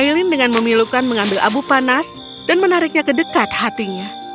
ilin dengan memilukan mengambil abu panas dan menariknya ke dekat hatinya